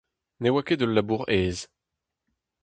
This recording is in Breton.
Ne oa ket ul labour aes.